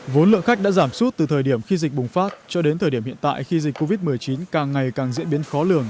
vốn lượng khách đã giảm suốt từ thời điểm khi dịch bùng phát cho đến thời điểm hiện tại khi dịch covid một mươi chín càng ngày càng diễn biến khó lường